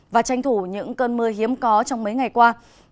và tranh thủ những cơn mưa hiếm có trong mấy ngày qua